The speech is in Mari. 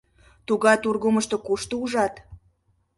Тугай тургымышто кушто ужат?